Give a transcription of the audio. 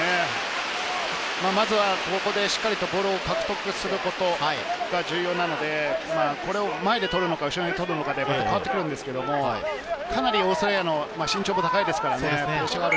まずはここでしっかりとボールを獲得することが重要なので、これを前で取るのか、後ろで取るのかで変わってくるんですけれど、かなりオーストラリアの身長は高いですからね。